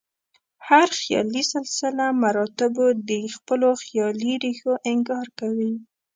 هر خیالي سلسله مراتبو د خپلو خیالي ریښو انکار کوي.